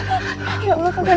kak ganda kak ganda